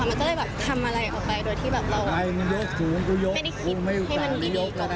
มันก็เลยทำอะไรออกไปโดยที่เราไม่ได้คิดให้มันดีก่อน